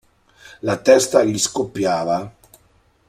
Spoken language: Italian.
La testa gli scoppiava.